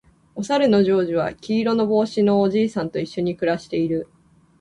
おさるのジョージは黄色の帽子のおじさんと一緒に暮らしている